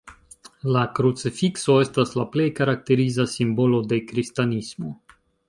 La krucifikso estas la plej karakteriza simbolo de kristanismo.